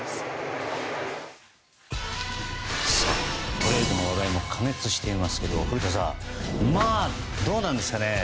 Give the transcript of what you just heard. トレードの話題も過熱していますけど古田さん、どうなんですかね。